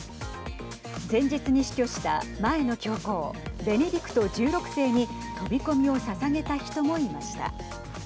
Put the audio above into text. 前日に死去した前の教皇ベネディクト１６世に飛び込みをささげた人もいました。